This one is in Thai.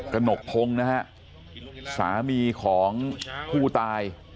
หนกพงศ์นะฮะสามีของผู้ตาย